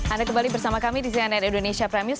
anda kembali bersama kami di cnn indonesia prime news